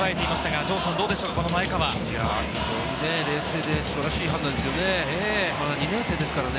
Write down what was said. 非常に冷静で素晴らしい判断ですね。